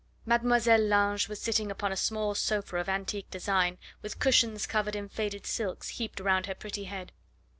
Mademoiselle Lange was sitting upon a small sofa of antique design, with cushions covered in faded silks heaped round her pretty head.